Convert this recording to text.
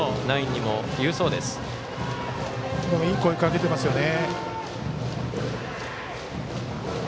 でも、いい声かけてますね。